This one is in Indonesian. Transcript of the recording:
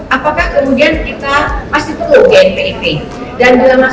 apakah kemudian kita masih perlu gnpip